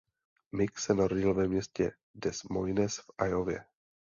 Mick se narodil ve městě Des Moines v Iowě.